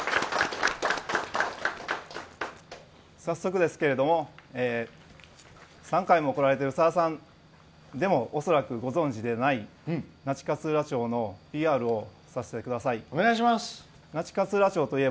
早速ですけれども３回も来られてるさださんでも恐らくご存じでない那智勝浦町のＰＲをさせてください。